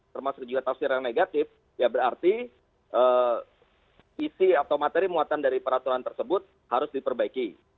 termasuk juga tafsir yang negatif ya berarti isi atau materi muatan dari peraturan tersebut harus diperbaiki